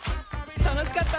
楽しかった！